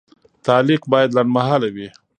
تعلیق باید لنډمهاله وي.